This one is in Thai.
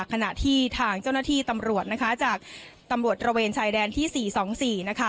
ขณะที่ทางเจ้าหน้าที่ตำรวจนะคะจากตำรวจตระเวนชายแดนที่๔๒๔นะคะ